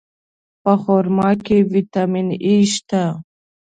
په خرما کې ویټامین E شته.